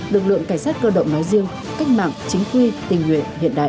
lực lượng cảnh sát cơ động nói riêng cách mạng chính quy tình nguyện hiện đại